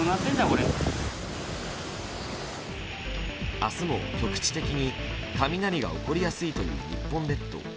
明日も局地的に雷が起こりやすいという日本列島。